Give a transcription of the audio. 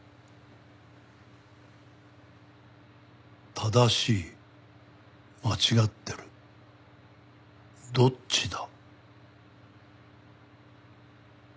「正しい間違ってるどっちだ？」。